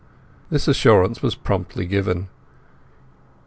This assurance was promptly given.